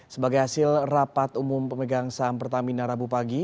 sebagai hasil rapat umum pemegang saham pertamina rabu pagi